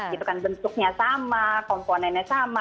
bentuknya sama komponennya sama